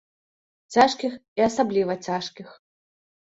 Цяжкіх і асабліва цяжкіх.